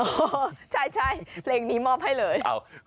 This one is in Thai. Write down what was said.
โอ้ใช่เหล่านี้มอบให้เลย